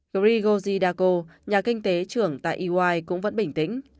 grigori dako nhà kinh tế trưởng tại ey cũng vẫn bình tĩnh